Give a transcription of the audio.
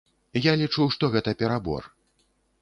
Я лічу, што гэта перабор.